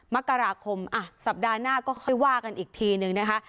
มกราคมสัปดาห์หน้าก็ค่อยว่ากันอีกทีนึงนะคะ